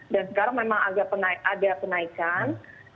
dan sekarang memang ada penaikan